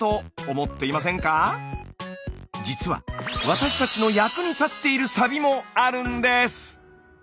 実は私たちの役に立っているサビもあるんです。